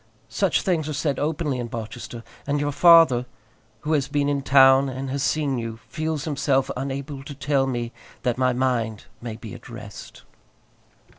Such things are said openly in Barchester, and your father, who has been in town and has seen you, feels himself unable to tell me that my mind may be at rest.